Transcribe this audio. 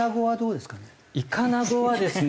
イカナゴはですね